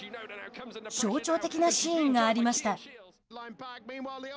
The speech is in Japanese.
象徴的なシーンがありました。